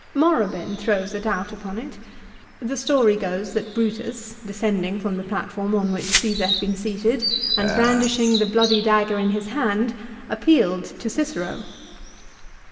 1 Morabin throws a doubt upon it. The story goes that Brutus, descending from the platform on which Csesar had been seated, and brandishing the bloody dagger in his hand, appealed to Cicero.